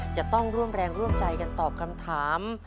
จะต้องร่วมแรงร่วมใจกันตอบคำถาม